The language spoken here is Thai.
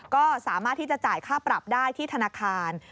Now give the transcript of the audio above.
ก็สามารถที่จะจ่ายค่าปรับได้ที่ธนาคาร